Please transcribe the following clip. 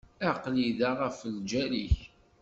Aql-i da ɣef lǧal-ik.